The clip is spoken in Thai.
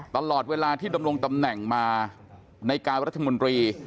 ตลอดเวลาที่ดำรงตำแหน่งมาในการรัฐมนตรี